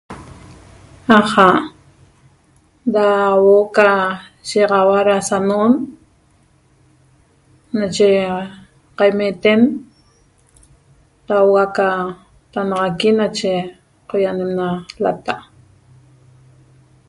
Aja' ra huo’o ca shigaxaua ra sano'on nache qaimeten taua ca natannaxaqui nache qoianem na lata'